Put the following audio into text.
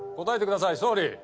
答えてください総理！